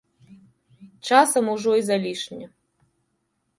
Часам ужо і залішне.